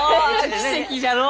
奇跡じゃのう！